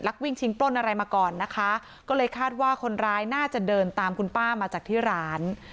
วิ่งชิงปล้นอะไรมาก่อนนะคะก็เลยคาดว่าคนร้ายน่าจะเดินตามคุณป้ามาจากที่ร้าน